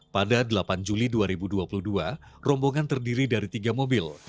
pada delapan juli dua ribu dua puluh dua rombongan terdiri dari tiga mobil